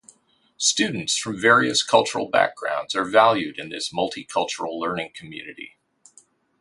Students from various cultural backgrounds are valued in this multi-cultural learning community.